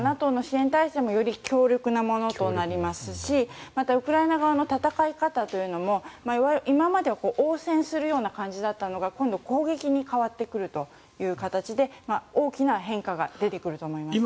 ＮＡＴＯの支援に対してもより強力なものとなりますしまた、ウクライナ側の戦い方というのも今までは応戦するような感じだったのが今度、攻撃に変わってくるという形で大きな変化が出てくると思います。